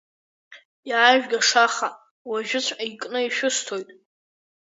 Иаажәг ашаха, уажәыҵәҟьа икны ишәысҭоит!